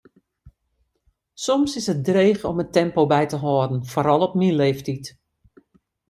Soms is it dreech om it tempo by te hâlden, foaral op myn leeftiid.